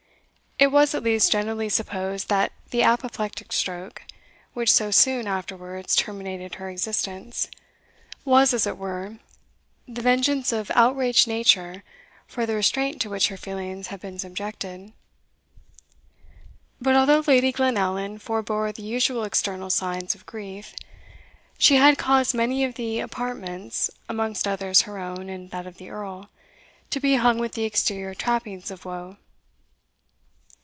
It was at least generally supposed that the apoplectic stroke, which so soon afterwards terminated her existence, was, as it were, the vengeance of outraged Nature for the restraint to which her feelings had been subjected. But although Lady Glenallan forebore the usual external signs of grief, she had caused many of the apartments, amongst others her own and that of the Earl, to be hung with the exterior trappings of woe.